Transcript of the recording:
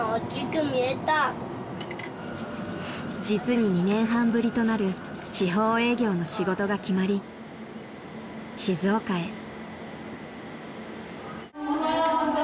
［実に２年半ぶりとなる地方営業の仕事が決まり静岡へ］